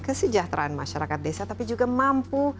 kesejahteraan masyarakat desa tapi juga mampu